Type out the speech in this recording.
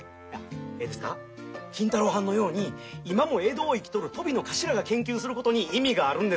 ええですか金太郎はんのように今も江戸を生きとるトビの頭が研究することに意味があるんですわ。